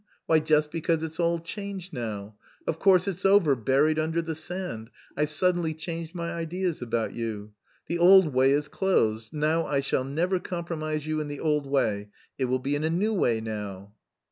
Why, just because it's all changed now; of course, it's over, buried under the sand. I've suddenly changed my ideas about you. The old way is closed; now I shall never compromise you in the old way, it will be in a new way now."